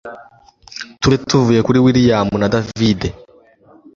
tube tuvuye kuri william na david